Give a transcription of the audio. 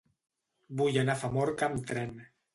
Vull anar a Famorca amb tren.